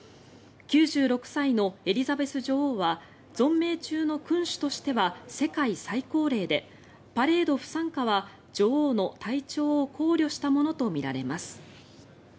９６歳のエリザベス女王は存命中の君主としては世界最高齢でパレード不参加は女王の体調を考慮したものとみられます。